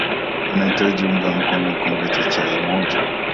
utahitaji unga wa ngano kikombe cha chai moja